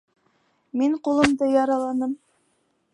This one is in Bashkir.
Мин ҡулымды яраланым